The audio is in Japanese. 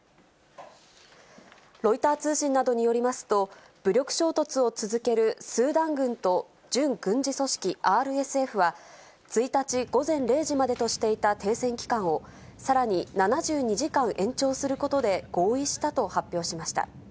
ロイター通信などによりますと、武力衝突を続けるスーダン軍と準軍事組織ＲＳＦは１日午前０時までとしていた停戦期間を、さらに７２時間延長することで合意したと発表しました。